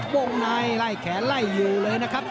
วงในไล่แขนไล่อยู่เลยนะครับ